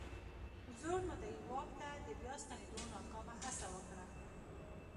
زوړ مدعي واک ته د بیا ستنېدو ناکامه هڅه وکړه.